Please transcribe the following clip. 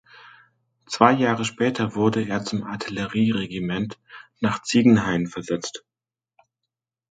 Zwei Jahre später wurde er zum Artillerieregiment nach Ziegenhain versetzt.